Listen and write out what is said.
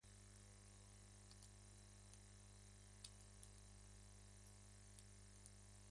Una vez terminada la carrera, combinó su labor creativa con la docencia.